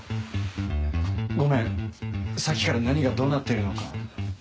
ごめんさっきから何がどうなってるのか。